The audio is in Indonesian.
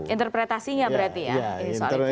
interpretasinya berarti ya